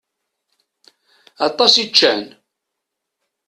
Aṭas i ččan.